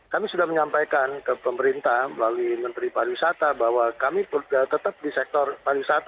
kami sudah menyampaikan ke pemerintah melalui menteri pariwisata bahwa kami tetap di sektor pariwisata